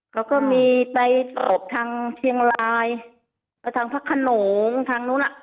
เขาก็มีไปออกทางเชียงรายไปทางพระขนงทางนู้นอ่ะ